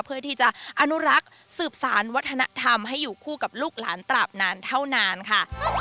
เพื่อที่จะอนุรักษ์สืบสารวัฒนธรรมให้อยู่คู่กับลูกหลานตราบนานเท่านานค่ะ